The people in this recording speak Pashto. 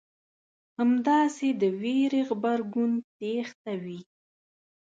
همداسې د وېرې غبرګون تېښته وي.